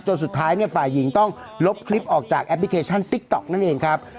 สุดท้ายเนี่ยฝ่ายหญิงต้องลบคลิปออกจากแอปพลิเคชันติ๊กต๊อกนั่นเองครับ